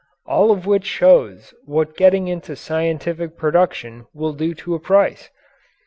All of which shows what getting into scientific production will do to a price.